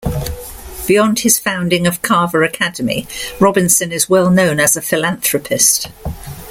Beyond his founding of Carver Academy, Robinson is well known as a philanthropist.